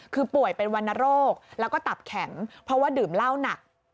คือป่วยเป็นวรรณโรคแล้วก็ตับแข็งเพราะว่าดื่มเหล้าหนัก